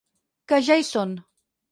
Que ja hi són.